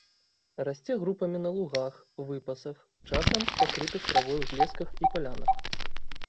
Расце групамі на лугах, выпасах, часам пакрытых травой узлесках і палянах.